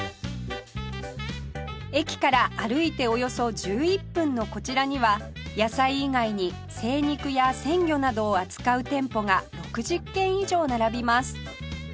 駅から歩いておよそ１１分のこちらには野菜以外に精肉や鮮魚などを扱う店舗が６０軒以上並びます